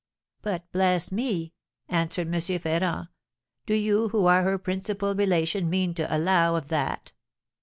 'But bless me!' answered M. Ferrand, 'do you, who are her principal relation, mean to allow of that?'